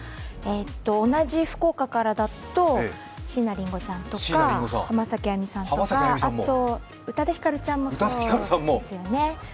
同じ福岡からだと、椎名林檎ちゃんとか浜崎あゆみさんとか宇多田ヒカルちゃんもですよね。